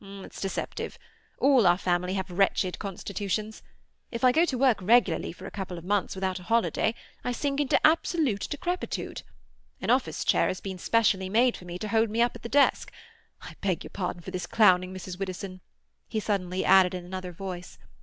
"It's deceptive. All our family have wretched constitutions. If I go to work regularly for a couple of months without a holiday, I sink into absolute decrepitude. An office chair has been specially made for me, to hold me up at the desk.—I beg your pardon for this clowning, Mrs. Widdowson," he suddenly added in another voice.